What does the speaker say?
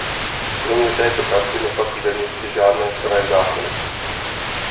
Kromě této charty neplatí ve městě žádné psané zákony.